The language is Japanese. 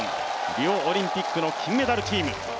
リオオリンピックの金メダルチーム。